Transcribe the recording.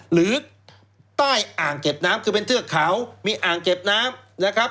หรือใต้อ่างเก็บน้ำคือเป็นเทือกเขามีอ่างเก็บน้ำนะครับ